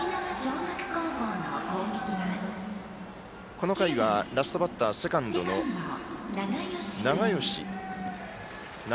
この回はラストバッターセカンドの永